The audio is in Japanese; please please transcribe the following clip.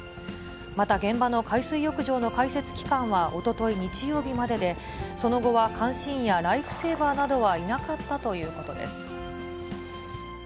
また現場の海水浴場の開設期間はおととい日曜日までで、その後は監視員やライフセーバーなどはいなかったということです。